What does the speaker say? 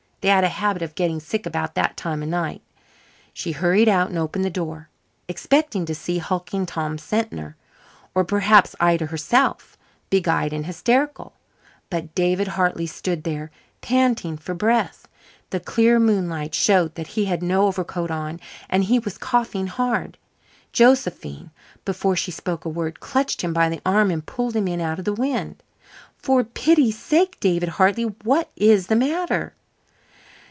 They had a habit of getting sick about that time of night. She hurried out and opened the door, expecting to see hulking Tom Sentner, or perhaps Ida herself, big eyed and hysterical. But David Hartley stood there, panting for breath. The clear moonlight showed that he had no overcoat on, and he was coughing hard. Josephine, before she spoke a word, clutched him by the arm and pulled him in out of the wind. "For pity's sake, David Hartley, what is the matter?"